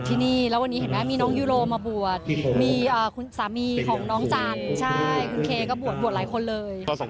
หน้าคนอิ่มบุญเป็นอย่างนี้นี่เอง